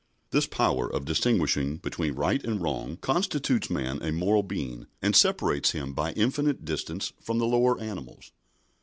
This power of distinguishing between right and wrong constitutes man a moral being, and separates him by infinite distance from the lower animals.